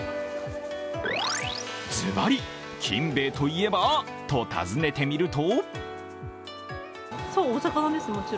ずばり、金兵衛といえばと尋ねてみると？